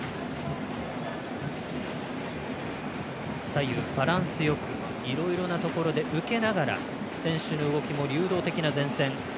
左右バランスよくいろいろなところで受けながら選手の動きも流動的な前線。